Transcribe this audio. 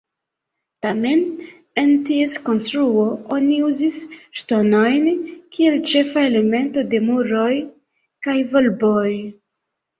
Tamen, en ties konstruo oni uzis ŝtonojn kiel ĉefa elemento de muroj kaj volboj.